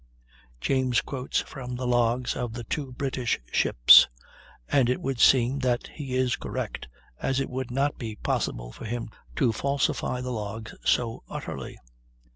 James quotes from the logs of the two British ships, and it would seem that he is correct, as it would not be possible for him to falsify the logs so utterly.